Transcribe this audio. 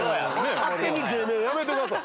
勝手に芸名やめてください。